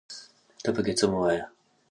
ته پکې څه مه وايه